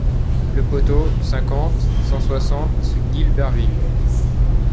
Le Poteau, cinquante, cent soixante Guilberville